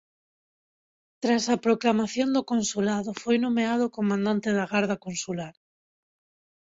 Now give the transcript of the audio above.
Tras a proclamación do Consulado foi nomeado comandante da Garda Consular.